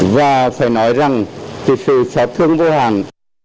và phải nói rằng thực sự sạch thương vô hàng